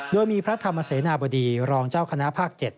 โดยมีพระธรรมเสนาบดีรองเจ้าคณะภาค๗